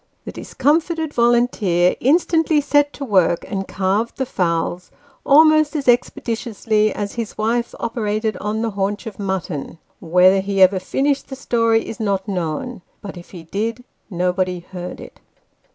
The discomfited volunteer instantly set to work, and carved the fowls almost as expeditiously as his wife operated on the haunch of mutton. Whether he ever finished the story is not known ; but, if he did, nobody heard it.